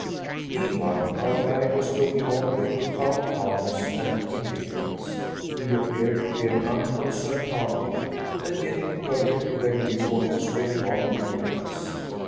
Meanwhile, our guide was looking on with profound calmness and indifference. He appeared to be an unconcerned party, and yet he perfectly well knew what was going on between us.